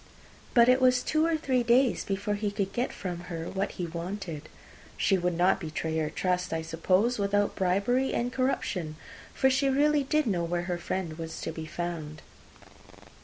But it was two or three days before he could get from her what he wanted. She would not betray her trust, I suppose, without bribery and corruption, for she really did know where her friend was to be found.